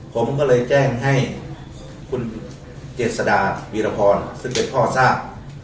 ผมก็เลยแจ้งให้คุณเจษฎาวีรพรซึ่งเป็นพ่อทราบ